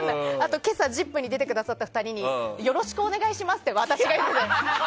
今朝、「ＺＩＰ！」に出てくださった２人によろしくお願いしますって私が言って。